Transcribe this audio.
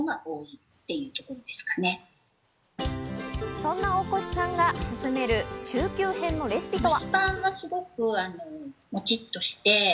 そんな大越さんが勧める中級編のレシピとは。